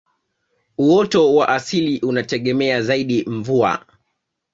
uoto wa asili unategemea zaidi mvua